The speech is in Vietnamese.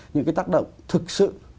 những cái tác động thực sự